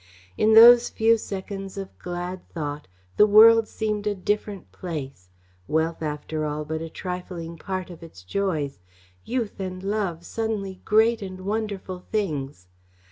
In those few seconds of glad thought, the world seemed a different place, wealth, after all, but a trifling part of its joys, youth and love suddenly great and wonderful things.